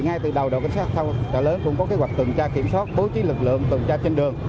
ngay từ đầu đoàn cảnh sát giao thông chợ lớn cũng có kế hoạch tường tra kiểm soát bố trí lực lượng tường tra trên đường